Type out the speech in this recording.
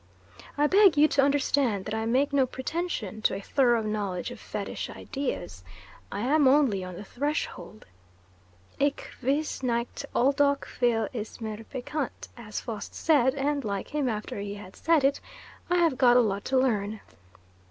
I beg you to understand that I make no pretension to a thorough knowledge of Fetish ideas; I am only on the threshold. "Ich weiss nicht all doch viel ist mir bekannt," as Faust said and, like him after he had said it, I have got a lot to learn.